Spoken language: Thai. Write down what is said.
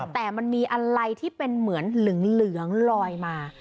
แต่มันมีอะไรที่เป็นเหมือนเหลืองลอยมา